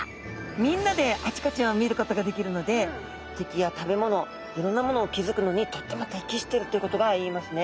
みんなであちこちを見ることができるので敵や食べ物いろんなものを気づくのにとってもてきしてるっていうことが言えますね。